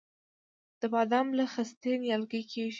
د بادام له خستې نیالګی کیږي؟